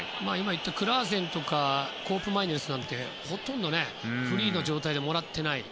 クラーセンとかコープマイネルスなんてほとんどフリーの状態でもらっていない。